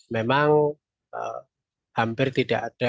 memang hampir tidak ada